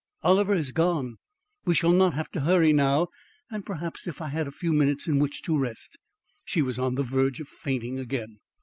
"Oliver is gone. We shall not have to hurry now and perhaps if I had a few minutes in which to rest " She was on the verge of fainting again.